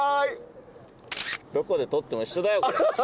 どこで撮っても一緒だよ。